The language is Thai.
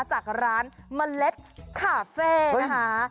จากร้านเมล็ดคาเฟ่นะคะ